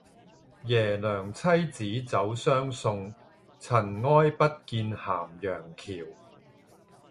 耶娘妻子走相送，塵埃不見咸陽橋。